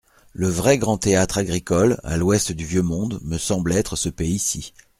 Le vrai grand théâtre agricole, à l'ouest du vieux monde, me semble être ce pays-ci.